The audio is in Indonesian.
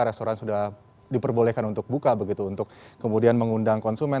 restoran sudah diperbolehkan untuk buka begitu untuk kemudian mengundang konsumen